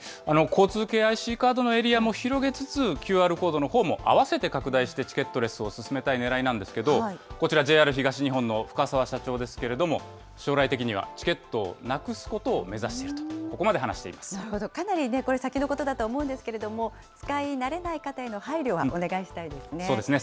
交通系ＩＣカードのエリアも広げつつ、ＱＲコードのほうもあわせて拡大して、チケットレスを進めたいねらいなんですけど、こちら、ＪＲ東日本の深澤社長ですけれども、将来的にはチケットをなくすことを目指していると、ここまで話しなるほど、かなり先のことだと思うんですけれども、使い慣れない方への配慮はお願いしたいでそうですね。